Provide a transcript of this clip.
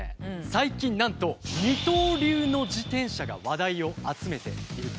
最近なんと二刀流の自転車が話題を集めていると。